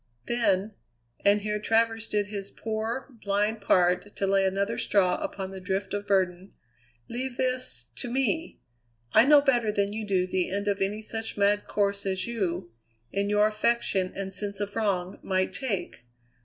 "Then" and here Travers did his poor, blind part to lay another straw upon the drift of burden "leave this to me. I know better than you do the end of any such mad course as you, in your affection and sense of wrong, might take.